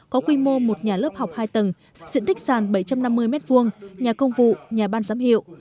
có quy mô một nhà lớp học hai tầng diện tích sàn bảy trăm năm mươi m hai nhà công vụ nhà ban giám hiệu